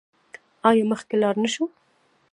آیا مخکې لاړ نشو؟